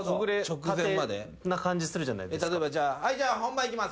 例えばじゃあ「本番いきます。